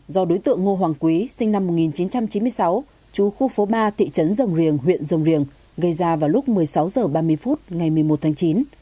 do đối tượng ngô hoàng quý sinh năm một nghìn chín trăm chín mươi sáu chú khu phố ba thị trấn rồng riềng huyện rồng riềng gây ra vào lúc một mươi sáu h ba mươi phút ngày một mươi một tháng chín